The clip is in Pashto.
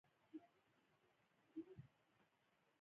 ابو محمد هاشم بن زید سرواني د عربو د شعر کتاب ولیکه.